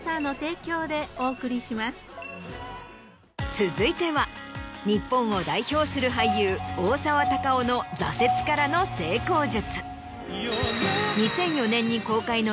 続いては日本を代表する俳優大沢たかおの挫折からの成功術。